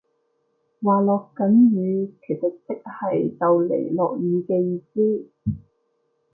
話落緊雨其實即係就嚟落雨嘅意思